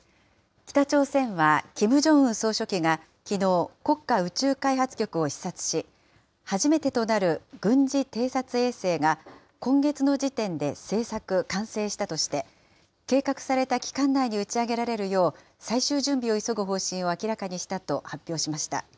北朝鮮は、キム・ジョンウン総書記がきのう、国家宇宙開発局を視察し、初めてとなる軍事偵察衛星が今月の時点で製作・完成したとして、計画された期間内に打ち上げられるよう、最終準備を急ぐ方針を明らかにしたと発表しました。